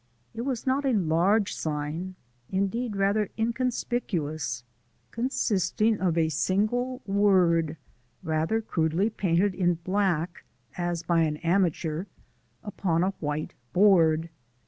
It was not a large sign indeed rather inconspicuous consisting of a single word rather crudely painted in black (as by an amateur) upon a white board.